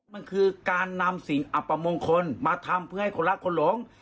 มันคือการนำสิ่งอัปมงคลมาทำเพื่อให้คนรักคนหลง